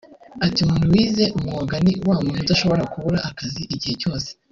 Ati “umuntu wize umwuga ni wamuntu udashobora kubura akazi igihe cyose